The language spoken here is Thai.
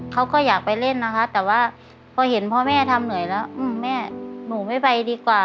เขาก็อยากไปเล่นนะคะแต่ว่าพอเห็นพ่อแม่ทำเหนื่อยแล้วแม่หนูไม่ไปดีกว่า